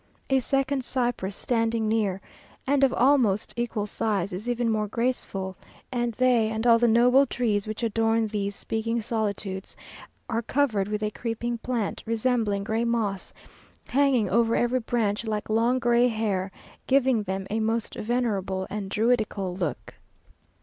A second cypress standing near, and of almost equal size, is even more graceful, and they, and all the noble trees which adorn these speaking solitudes, are covered with a creeping plant, resembling gray moss, hanging over every branch like long gray hair, giving them a most venerable and druidical look.